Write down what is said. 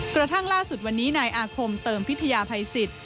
กระทั่งล่าสุดวันนี้นายอาคมเติมพิทยาภัยสิทธิ